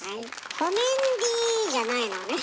「ほめンディー」じゃないのね。